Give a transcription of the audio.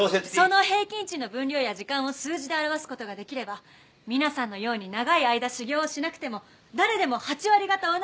その平均値の分量や時間を数字で表す事ができれば皆さんのように長い間修業をしなくても誰でも８割方同じような料理が作れるように。